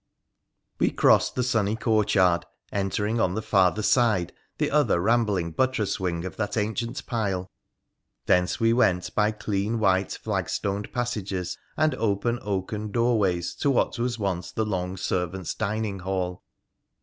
We crossed the sunny courtyard, entering on the farther side the other rambling buttress wing of that ancient pile. Thence we went by clean white flagstoned passages and open oaken doorways to what was once the long servants' dining hall.